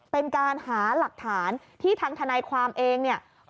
เป็นการหาหลักฐานที่ทางทนายความเองเนี่ย